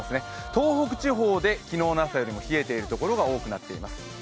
東北地方で昨日の朝より冷えているところが多くなっています。